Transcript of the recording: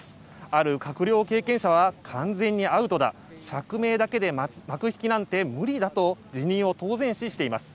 ある閣僚経験者は完全にアウトだ釈明だけで幕引きなんて無理だと辞任を当然視しています。